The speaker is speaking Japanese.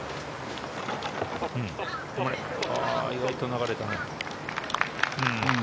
意外と流れたね。